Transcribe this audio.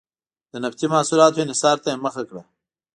د نفتي محصولاتو انحصار ته یې مخه کړه.